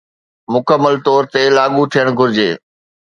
مڪمل طور تي لاڳو ٿيڻ گهرجي